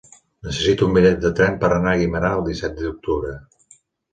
Necessito un bitllet de tren per anar a Guimerà el disset d'octubre.